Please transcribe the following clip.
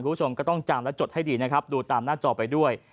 คุณผู้ชมก็ต้องจำและจดให้ดีนะครับดูตามหน้าจอไปด้วย